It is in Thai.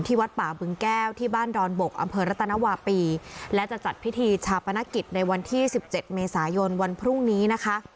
วัดป่าบึงแก้วที่บ้านดอนบกอำเภอรัตนวาปีและจะจัดพิธีชาปนกิจในวันที่สิบเจ็ดเมษายนวันพรุ่งนี้นะคะ